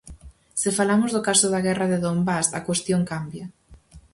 Se falamos do caso da Guerra de Donbas a cuestión cambia.